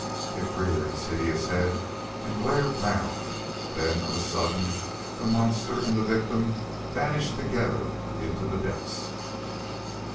It reared its hideous head and glared round, then of a sudden the monster and the victim vanished together into the depths.